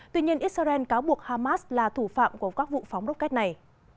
tuy nhiên israel cáo buộc hamas là thủ phạm của các vụ phóng rocket này